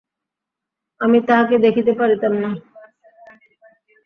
আমি তাহাকে দেখিতে পারিতাম না।